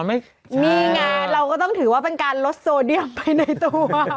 นี่ไงเราก็ต้องถือว่าเป็นการลดโซเดียมไปในตัว